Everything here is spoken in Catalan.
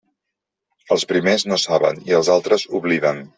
Els primers no saben, i els altres obliden.